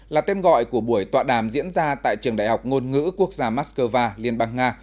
là tên gọi của buổi tọa đàm diễn ra tại trường đại học ngôn ngữ quốc gia moscow liên bang nga